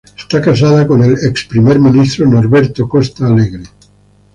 Está casada con el ex primer ministro Norberto Costa Alegre.